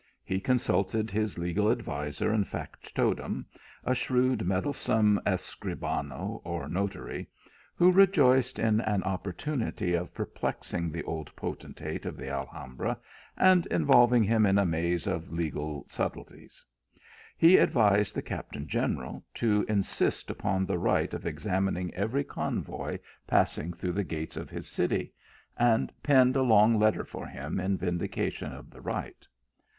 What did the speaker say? He consulted his legal adviser and factotum, a shrewd, meddlesome Escribano or notary, who re joiced in an opportunity of perplexing the old poten tate of the Alhambra, and involving him in a maze of legal subtilities. He advised the captain general to insist upon the right of examining every convoy passing through the gates of his city, and he penned a long letter for him, in vindication of the right.